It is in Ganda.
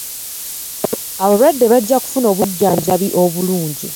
Abalwadde bajja kufuna obujjanjabi obulungi.